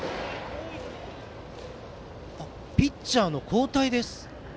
ピッチャーの交代です。